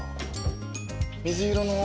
水色の。